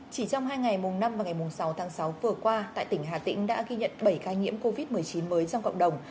chỉ trong hai ngày mùng năm và ngày mùng sáu tháng sáu vừa qua tại tỉnh hà tĩnh đã ghi nhận bảy ca nhiễm covid một mươi chín mới trong cộng đồng